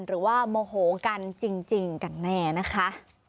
หรือว่าโมโหกันจริงกันแน่นะคะ